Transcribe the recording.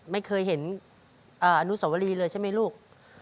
ไม่เคยเห็นอนุสวรีเลยใช่ไหมลูก